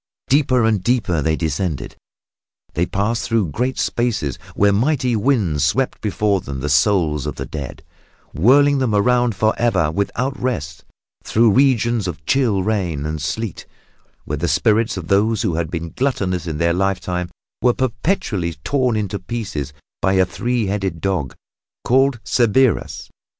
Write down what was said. Deeper and deeper they descended. They passed through great spaces where mighty winds swept before them the souls of the dead, whirling them around forever without rest; through regions of chill rain and sleet, where the spirits of those who had been gluttonous in their lifetime were perpetually torn into pieces by a three headed dog called Cerberus.